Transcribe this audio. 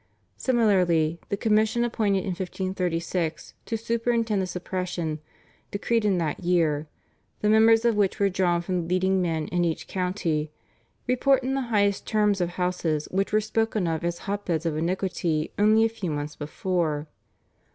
Similarly the commission appointed in 1536 to superintend the suppression decreed in that year, the members of which were drawn from the leading men in each county, report in the highest terms of houses which were spoken of as hot beds of iniquity only a few months before.